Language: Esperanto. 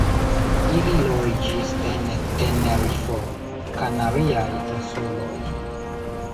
Ili loĝis en Tenerifo, Kanariaj insuloj.